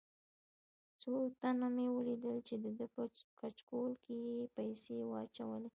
څو تنه مې ولیدل چې دده په کچکول کې یې پیسې واچولې.